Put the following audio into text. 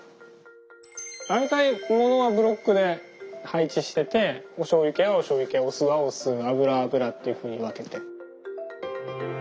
大体物はブロックで配置してておしょうゆ系はおしょうゆ系お酢はお酢油は油っていうふうに分けて。